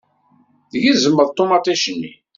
Tgezmeḍ ṭumaṭic-nni.